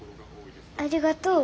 ありがとう。